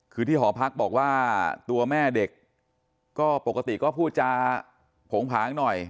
คือที่หอพักบอกว่าตัวแม่เด็กก็ปกติก็พูดจาโผงผางหน่อย